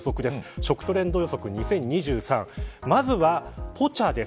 食トレンド予測２０２３まずは、ポチャです。